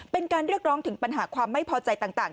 เป็นการเรียกร้องถึงปัญหาความไม่พอใจต่าง